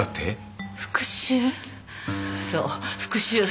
そう復讐。